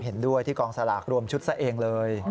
เห็นด้วยที่กองสลากรวมชุดซะเองเลย